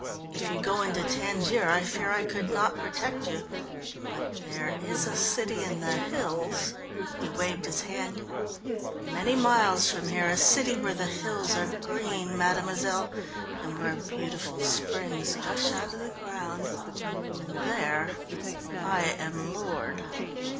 If you go into Tangier I fear I could not protect you, but there is a city in the hills," he waved his hand, "many miles from here, a city where the hills are green, mademoiselle, and where beautiful springs gush out of the ground, and there I am lord."